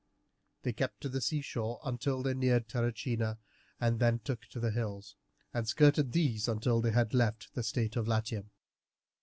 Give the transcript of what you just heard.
They kept by the seashore until they neared Terracina, and then took to the hills, and skirted these until they had left the state of Latium.